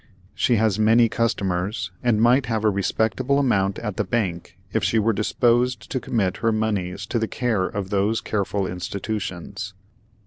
She has many customers, and might have a respectable account at the bank if she were disposed to commit her moneys to the care of those careful institutions.